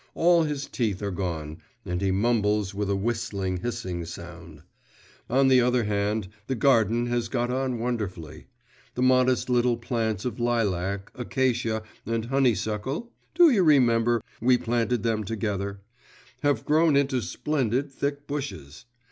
All his teeth are gone, and he mumbles with a whistling, hissing sound. On the other hand, the garden has got on wonderfully. The modest little plants of lilac, acacia, and honeysuckle (do you remember, we planted them together?) have grown into splendid, thick bushes.